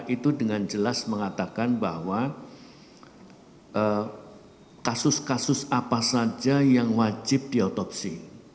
itu dengan jelas mengatakan bahwa kasus kasus apa saja yang wajib diotopsi